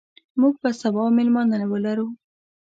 موږ به سبا مېلمانه ولرو.